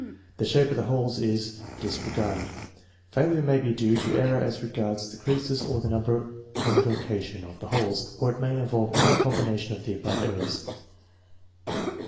The shape of the holes is disregarded. Failure may be due to error as regards the creases or the number and location of the holes, or it may involve any combination of the above errors.